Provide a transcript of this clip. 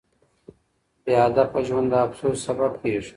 بې هدفه ژوند د افسوس سبب کیږي.